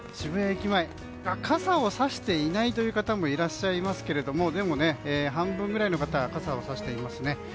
傘をさしていないという方もいらっしゃいますがでも、半分ぐらいの方が傘をさしていますね。